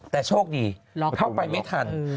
แต่โชคดีเข้าไปไม่ทัน